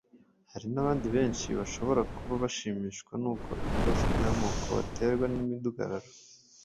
Hari n'abandi benshi bashobora kuba bashimishwa n'uko ibibazo by'amoko batera imidugararo